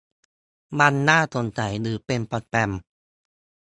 มันน่าสงสัยหรือเป็นสแปม